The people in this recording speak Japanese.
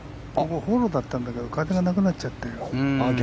フォローだったんだけど風がなくなっちゃったよ。